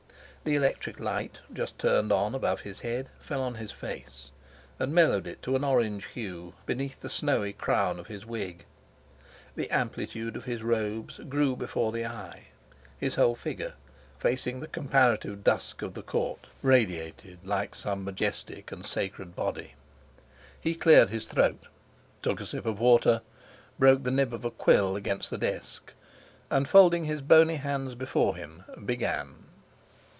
The electric light, just turned on above his head, fell on his face, and mellowed it to an orange hue beneath the snowy crown of his wig; the amplitude of his robes grew before the eye; his whole figure, facing the comparative dusk of the Court, radiated like some majestic and sacred body. He cleared his throat, took a sip of water, broke the nib of a quill against the desk, and, folding his bony hands before him, began.